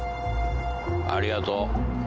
ありがとう。